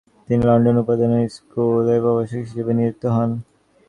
তিনি London Hospital Medical স্কুলে প্রাণরসায়নের প্রভাষক হিসেবে নিযুক্ত হন।